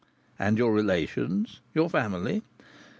"And your relations? your family?"